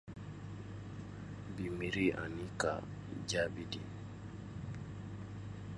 Bi miiri ani ka jaabiw di.